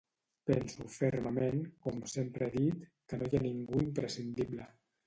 Penso fermament, com sempre hem dit, que no hi ha ningú imprescindible.